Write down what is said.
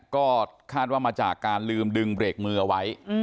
ก็คาดว่ามาจากการลืมดึงเบรกมือเอาไว้